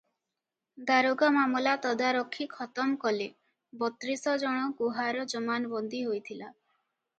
ଦାରୋଗା ମାମଲା ତଦାରଖି ଖତମ କଲେ; ବତ୍ରିଶ ଜଣ ଗୁହାର ଜମାନବନ୍ଦୀ ହୋଇଥିଲା ।